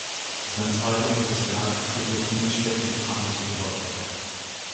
Sein zweibändiges Werk "Friedrich Nietzsche und Franz Overbeck.